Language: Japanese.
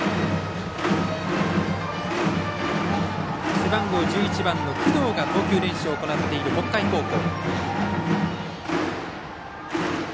背番号１１番の工藤が投球練習を行っている北海高校。